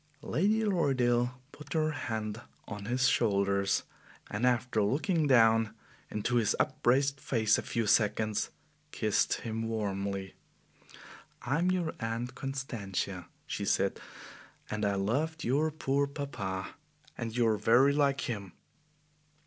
Lady Lorridaile put her hand on his shoulders, and after looking down into his upraised face a few seconds, kissed him warmly. "I am your Aunt Constantia," she said, "and I loved your poor papa, and you are very like him."